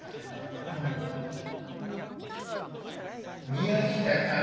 宮下さん